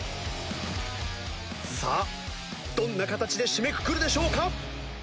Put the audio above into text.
さあどんな形で締めくくるでしょうか？